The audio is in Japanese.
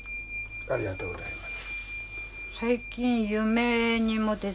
ありがとうございます。